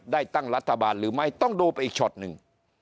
ตั้งรัฐบาลหรือไม่ต้องดูไปอีกช็อตหนึ่ง